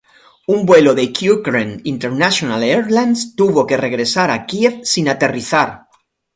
Un vuelo de Ukraine International Airlines tuvo que regresar a Kiev sin aterrizar.